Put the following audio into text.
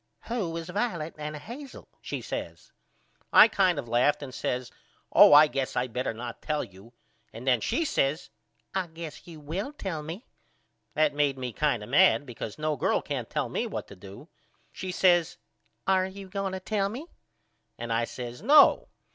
Who is Violet and Hazel? she says. I kind of laughed and says Oh I guess I better not tell you and then she says I guess you will tell me. That made me kind of mad because no girl can't tell me what to do. She says Are you going to tell me? and I says No.